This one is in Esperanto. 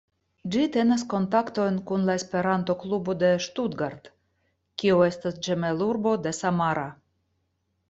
Ĝi tenas kontaktojn kun la esperanto-klubo de Stuttgart, kiu estas ĝemelurbo de Samara.